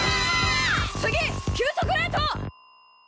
次急速冷凍！